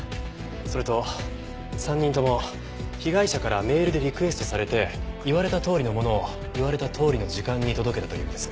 それと３人とも被害者からメールでリクエストされて言われたとおりのものを言われたとおりの時間に届けたと言うんです。